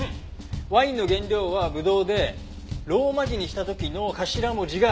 ワインの原料はブドウでローマ字にした時の頭文字が「Ｂ」。